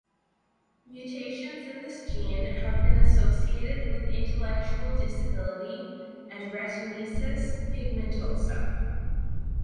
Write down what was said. Mutations in this gene have been associated with intellectual disability and retinitis pigmentosa.